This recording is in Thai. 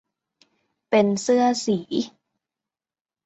เป็นเสื้อสี